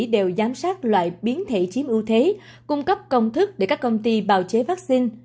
đều giám sát loại biến thể chiếm ưu thế cung cấp công thức để các công ty bào chế vaccine